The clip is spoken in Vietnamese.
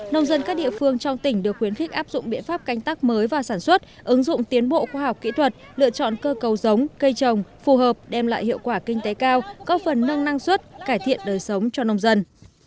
nông dân các địa phương trong tỉnh được khuyến khích áp dụng biện pháp canh tác mới và sản xuất ứng dụng tiến bộ khoa học kỹ thuật lựa chọn cơ cầu giống cây trồng phù hợp đem lại hiệu quả kinh tế cao có phần nâng năng suất cải thiện đời sống cho nông dân